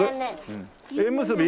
縁結び？